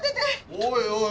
おいおい